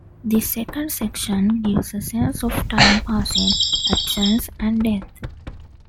The second section gives a sense of time passing, absence, and death.